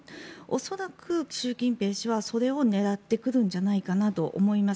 恐らく、習近平氏はそれを狙ってくるんじゃないかなと思います。